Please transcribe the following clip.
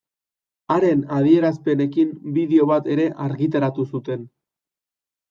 Haren adierazpenekin bideo bat ere argitaratu zuten.